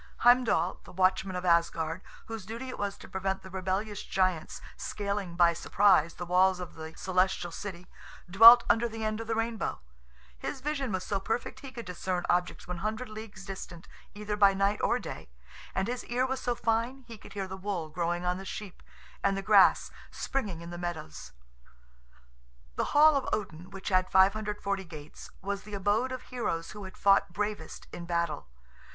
Heimdall, the watchman of Asgard, whose duty it was to prevent the rebellious giants scaling by surprise the walls of the celestial city, dwelt under the end of the rainbow; his vision was so perfect he could discern objects 100 leagues distant, either by night or day, and his ear was so fine he could hear the wool growing on the sheep, and the grass springing in the meadows. The hall of Odin, which had 540 gates, was the abode of heroes who had fought bravest in battle.